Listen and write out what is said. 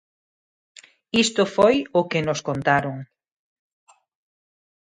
Isto foi o que nos contaron.